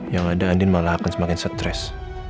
yang ada andin malah akan semakin stres